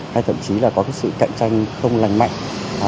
hay thậm chí là có cái sự cạnh tranh không lành mạnh